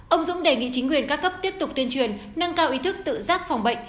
ông dũng đề nghị chính quyền các cấp tiếp tục tuyên truyền nâng cao ý thức tự giác phòng bệnh